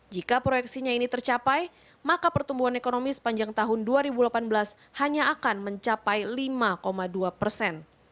jika proyeksinya ini tercapai maka pertumbuhan ekonomi sepanjang tahun dua ribu delapan belas hanya akan mencapai lima dua persen